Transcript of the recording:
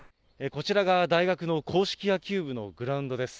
こちらが大学の硬式野球部のグラウンドです。